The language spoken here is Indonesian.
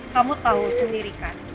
kamu tahu sendiri kan